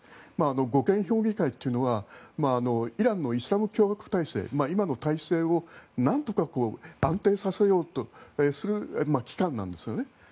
護憲評議会というのはイランのイスラム共和体制今の体制をなんとか安定させようとする機関なんですよね。